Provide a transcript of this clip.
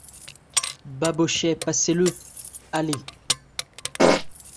Babochet Passez-le, allez !